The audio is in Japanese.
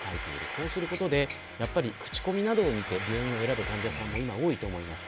こういうことで口コミなどを見て病院を選ぶ患者さんも多いと思います。